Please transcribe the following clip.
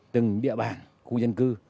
từng địa bàn khu dân cư